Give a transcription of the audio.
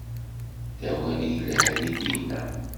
D awal i yelhan i d-yenna.